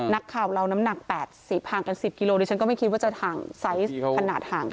นักข่าวเราน้ำหนัก๘๐ห่างกัน๑๐กิโลดิฉันก็ไม่คิดว่าจะห่างไซส์ขนาดห่างกัน